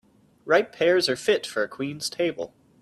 Ripe pears are fit for a queen's table.